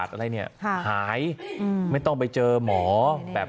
ขอบคุณครับ